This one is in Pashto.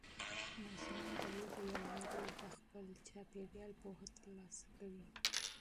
ماشومان د لوبو له لارې د خپل محیط پوهه ترلاسه کوي.